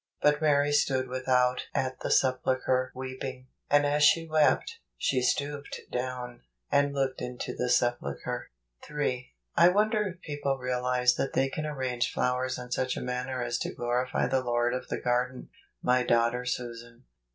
But Mary stood without at the sepulchre weeping: and as she wept , she stooped down , and looked into the sepulchre." 62 JUNE. 63 3. I wonder if people realize that they can arrange flowers in such a manner as to glorify the Lord of the garden. My Daughter Susan.